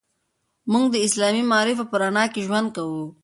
موږ د اسلامي معارفو په رڼا کې ژوند کوو.